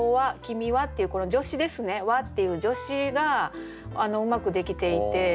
「きみは」っていうこの助詞ですね「は」っていう助詞がうまくできていて。